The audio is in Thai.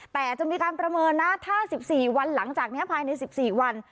แต่จะมีการประเมินนะถ้า๑๔วันหลังจากนี้ภายใน๑๔วัน